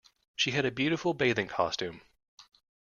She had a beautiful bathing costume